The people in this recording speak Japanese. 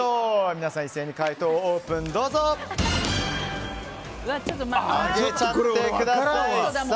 皆さん、一斉に解答をオープンしてください。